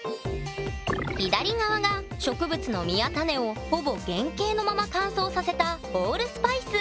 左側が植物の実や種をほぼ原形のまま乾燥させたホールスパイス。